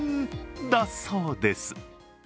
だそうです。